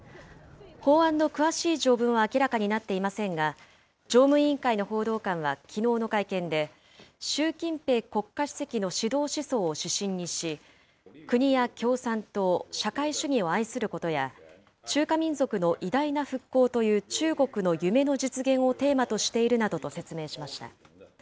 法案の詳しい条文は明らかになっていませんが、常務委員会の報道官はきのうの会見で、習近平国家主席の指導思想を指針にし、国や共産党、社会主義を愛することや、中華民族の偉大な復興という中国の夢の実現をテーマとしているなどと説明しました。